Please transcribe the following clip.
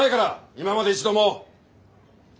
今まで一度も！